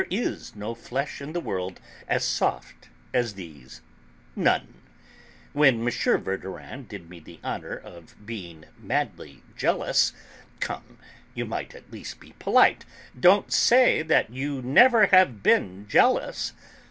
There is no flesh in the world as soft as these. None. When M. Verdurin did me the honour of being madly jealous... come, you might at least be polite. Don't say that you never have been jealous!"